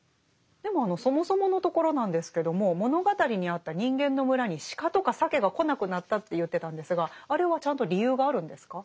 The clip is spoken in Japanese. でもそもそものところなんですけども物語にあった人間の村にシカとかサケが来なくなったって言ってたんですがあれはちゃんと理由があるんですか？